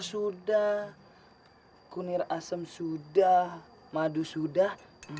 sudah kunir asem sudah madu sudah